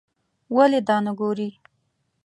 ولې دا نه ګورې.